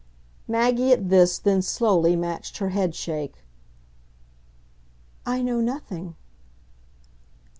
Maggie at this then slowly matched her headshake. "I know nothing."